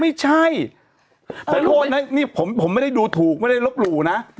ไม่ใช่ขอโทษนะนี่ผมไม่ได้ดูถูกไม่ได้ลบหลู่นะ